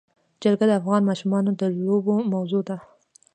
جلګه د افغان ماشومانو د لوبو موضوع ده.